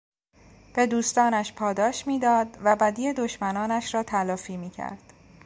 به دوستانش پاداش میداد و بدی دشمنانش را تلافی میکرد.